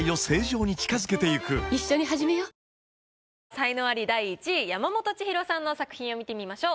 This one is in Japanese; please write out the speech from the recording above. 才能アリ第１位山本千尋さんの作品を見てみましょう。